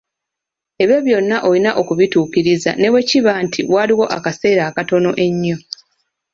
Ebyo byonna olina okubituukiriza ne bwe kiba nti waliwo akaseera akatono ennyo